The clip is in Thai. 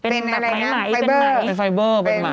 เป็นอะไรนะไฟเบอร์